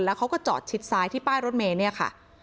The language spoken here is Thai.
แล้วเขาก็จอดชิดซ้ายที่ป้ายรถเมย์เนี่ยค่ะ